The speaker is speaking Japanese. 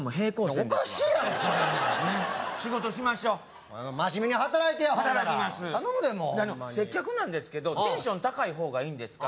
おかしいやろそれも仕事しましょ真面目に働いてや働きます頼むでもうで接客なんですけどテンション高い方がいいんですか？